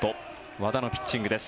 和田のピッチングです。